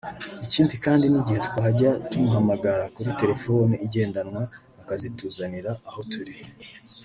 Ikindi hari n’igihe twajya tumuhamagara kuri telefoni igendanwa akazituzanira aho turi